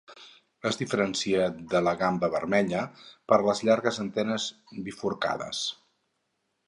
Es diferencia de la gamba vermella per les llargues antenes bifurcades.